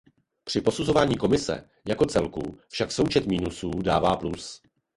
Při posuzování Komise jako celku však součet mínusů dává plus.